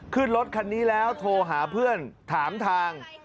ขึ้นรถคันนี้แล้วโทรหาเพื่อนถามทาง